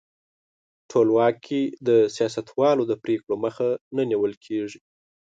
ټولواک کې د سیاستوالو د پرېکړو مخه نه نیول کیږي.